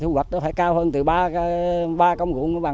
hung phong anh phong trào địa tính lý do công nghiệp